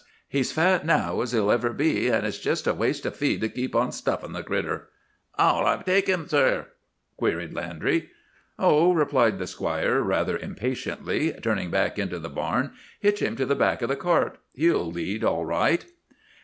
He's fat now as he'll ever be, an' it's jest a waste o' feed to keep on stuffin' the critter.' "''Ow'll I take him, sare?' queried Landry. "'Oh,' replied the squire rather impatiently, turning back into the barn, 'hitch him to the back o' the cart. He'll lead all right!